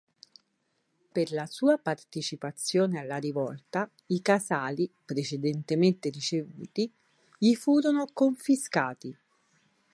Per la sua partecipazione alla rivolta i casali precedentemente ricevuti gli furono confiscati.